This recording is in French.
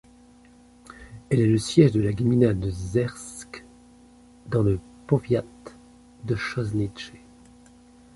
Elle est le siège de la gmina de Czersk, dans le powiat de Chojnice.